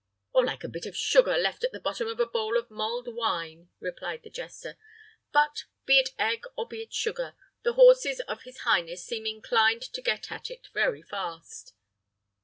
"Or like a bit of sugar left at the bottom of a bowl of mulled wine," replied the jester. "But, be it egg or be it sugar, the horses of his highness seem inclined to get at it very fast."